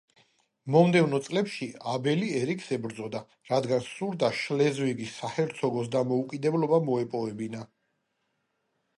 მომდევნო წლებში, აბელი ერიკს ებრძოდა, რადგანაც სურდა შლეზვიგის საჰერცოგოს დამოუკიდებლობა მოეპოვებინა.